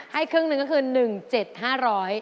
ให้ครึ่งหนึ่งก็คือ๑๗๕๐๐บาท